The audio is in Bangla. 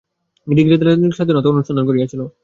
গ্রীকজাতি রাজনৈতিক স্বাধীনতা অনুসন্ধান করিয়াছিল।